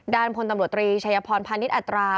พลตำรวจตรีชัยพรพาณิชย์อัตรา